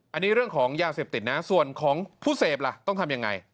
อันนี้เรื่องของยาเสพติดนะส่วนของผู้เสพล่ะต้องทำยังไง